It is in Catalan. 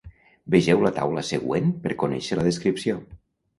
Vegeu la taula següent per conèixer la descripció.